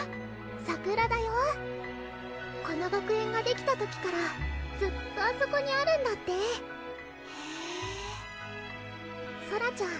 桜だよこの学園ができた時からずっとあそこにあるんだってへぇソラちゃん